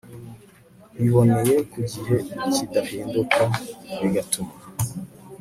biboneye ku gihe kidahinduka bigatuma